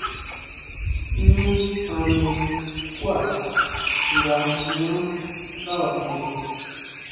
Ñu jane xkuá nga ñaʼán xábasen.